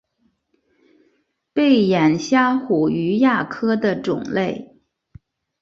背眼虾虎鱼亚科的种类。